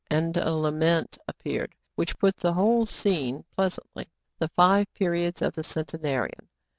And a lament appeared, which put the whole scene pleasantly: "The Five Periods of the Centenarian.